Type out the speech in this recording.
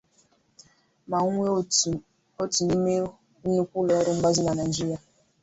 Ma nwee otu n'ime nnukwu ụlọ ọrụ mgbazi na Naịjirịa.